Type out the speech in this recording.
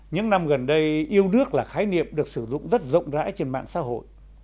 những năm gần đây yêu nước là khái niệm được sử dụng rất rộng rãi trên mạng xã hội